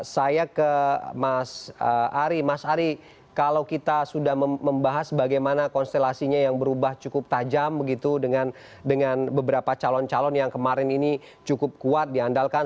saya ke mas ari mas ari kalau kita sudah membahas bagaimana konstelasinya yang berubah cukup tajam begitu dengan beberapa calon calon yang kemarin ini cukup kuat diandalkan